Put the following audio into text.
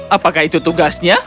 apakah itu tugasnya